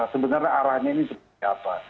sebenarnya arahnya ini seperti apa